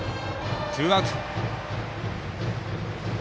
ツーアウトです。